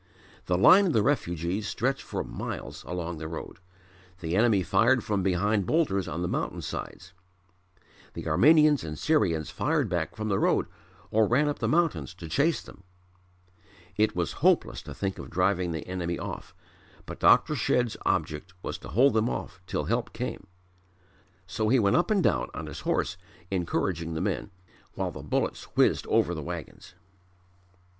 The line of the refugees stretched for miles along the road. The enemy fired from behind boulders on the mountain sides. The Armenians and Syrians fired back from the road or ran up the mountains to chase them. It was hopeless to think of driving the enemy off but Dr. Shedd's object was to hold them off till help came. So he went up and down on his horse encouraging the men; while the bullets whizzed over the wagons.